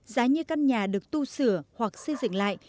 giá như căn nhà được tu sửa hoặc xây dựng lại